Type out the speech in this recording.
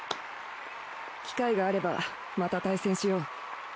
機会があればまた対戦しよう。